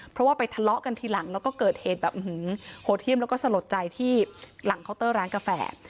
เพราะว่าไปทะเลาะกันทีหลังแล้วก็เกิดเหตุแบบโหดเยี่ยมแล้วก็สลดใจที่หลังเคาน์เตอร์ร้านกาแฟ